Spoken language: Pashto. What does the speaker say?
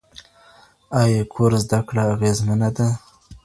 ایا کور زده کړه اغېزمنه ده؟